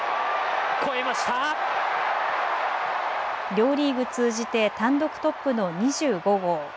両リーグ通じて単独トップの２５号。